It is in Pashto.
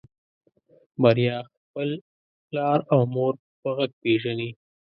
بريا خپل پلار او مور په غږ پېژني.